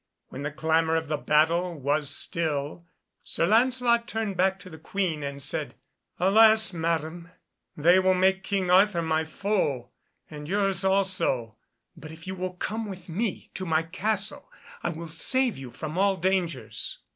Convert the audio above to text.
When the clamour of the battle was still, Sir Lancelot turned back to the Queen and said, "Alas, Madam, they will make King Arthur my foe, and yours also, but if you will come with me to my castle, I will save you from all dangers."